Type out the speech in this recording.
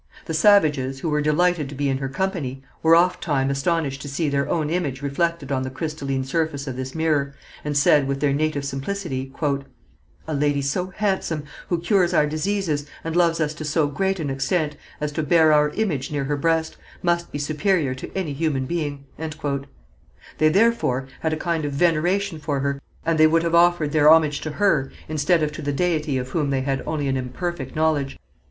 The savages, who were delighted to be in her company, were oft time astonished to see their own image reflected on the crystalline surface of this mirror, and said, with their native simplicity: "A lady so handsome, who cures our diseases, and loves us to so great an extent as to bear our image near her breast, must be superior to a human being." They, therefore, had a kind of veneration for her, and they would have offered their homage to her instead of to the Deity of whom they had only an imperfect knowledge.